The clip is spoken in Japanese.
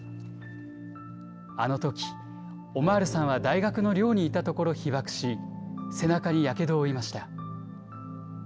あのとき、オマールさんは大学の寮にいたところ被爆し、背中にやけどを負いました。